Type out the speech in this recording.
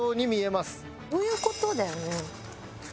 こういう事だよね。